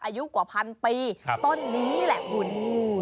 อายุกว่าพันปีต้นนี้นี่แหละคุณ